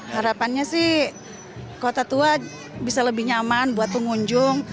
harapannya sih kota tua bisa lebih nyaman buat pengunjung